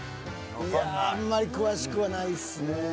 いやあんまり詳しくはないっすね。